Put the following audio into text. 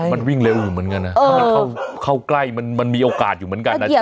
มันวิ่งเร็วอยู่เหมือนกันนะถ้ามันเข้าใกล้มันมีโอกาสอยู่เหมือนกันนะ